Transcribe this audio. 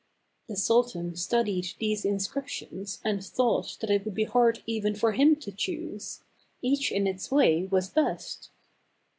The sultan studied these inscriptions and thought that it would be hard even for him to choose ; each in its way was best.